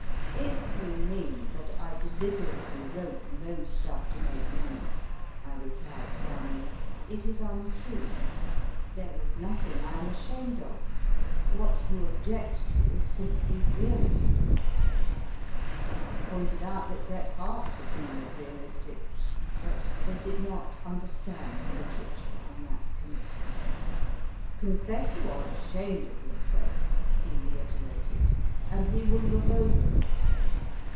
If you mean that I deliberately wrote low stuff to make money, I replied calmly, it is untrue. There is nothing I am ashamed of. What you object to is simply realism. I pointed out that Bret Harte had been as realistic; but they did not understand literature on that committee. Confess you are ashamed of yourself, he reiterated, and we will look over it.